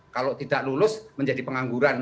kalau tidak lulus menjadi pengangguran